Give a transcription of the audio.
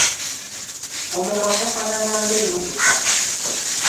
Omumwa gufaanana nga ennukuta.